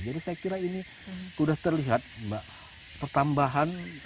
jadi saya kira ini sudah terlihat pertambahan